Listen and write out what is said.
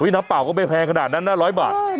น้ำเปล่าก็ไม่แพงขนาดนั้นนะ๑๐๐บาท